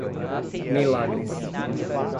Milagres